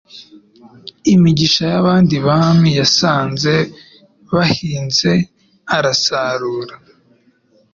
Imigisha y'abandi Bami Yasanze bahinze arasarura.